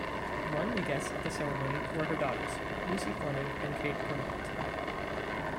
Among the guests at the ceremony were her daughters, Lucy Fleming and Kate Grimond.